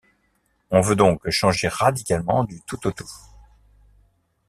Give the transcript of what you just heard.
On veut donc changer radicalement du tout au tout.